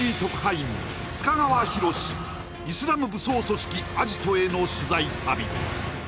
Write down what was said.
イスラム武装組織アジトへの取材旅